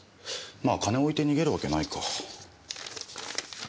まあ金置いて逃げるわけないか。